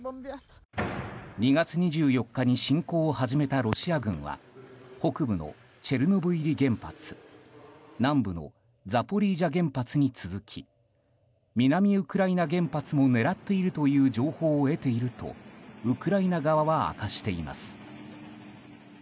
２月２４日に侵攻を始めたロシア軍は北部のチェルノブイリ原発南部のザポリージャ原発に続き南ウクライナ原発も狙っているという情報を得ているとウクライナ側は明かしています。